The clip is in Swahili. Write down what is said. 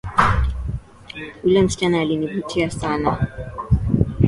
Yule msichana alinivutia sana